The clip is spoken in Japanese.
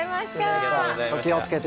お気を付けて。